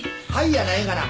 やないがな。